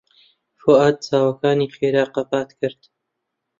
فواد چاوەکانی خێرا قەپات کرد.